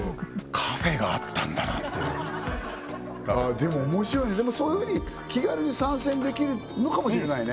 カフェがあったんだなってあでも面白いでもそういうふうに気軽に参戦できるのかもしれないね